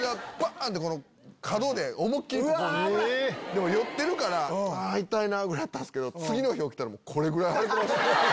でも酔ってるから痛いな！ぐらいやったんすけど次の日起きたらこれぐらい腫れてました。